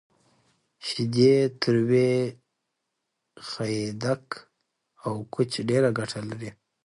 شیدې، تروی، خیدک، او کوچ ډیره ګټه لری